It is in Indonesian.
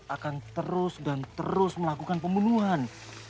akan terus dan terus melakukan pembunuhan